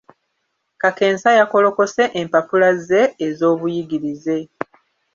Kakensa yakolokose empapula ze ez'obuyigirize.